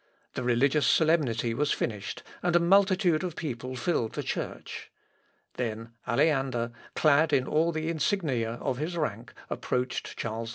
The religious solemnity was finished, and a multitude of people filled the church, when Aleander, clad in all the insignia of his rank, approached Charles V.